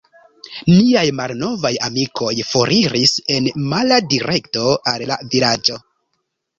Niaj malnovaj amikoj foriris en mala direkto al la vilaĝo.